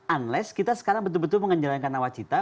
unless kita sekarang betul betul menjalankan nawacita